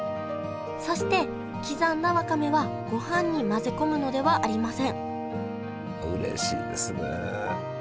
そして刻んだわかめはごはんに混ぜ込むのではありませんうれしいですね。